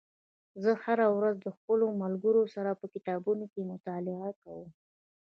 زه هره ورځ د خپلو ملګرو سره په کتابتون کې مطالعه کوم